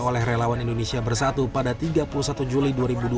oleh relawan indonesia bersatu pada tiga puluh satu juli dua ribu dua puluh